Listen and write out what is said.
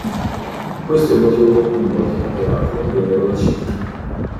Questo è il motivo per cui molti campionati non vennero decisi.